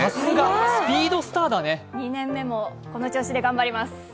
２年目も、この調子で頑張ります。